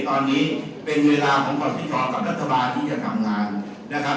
ตอนนี้เป็นเวลาของขอสิทธิ์ของกับรัฐบาลที่จะทำงาน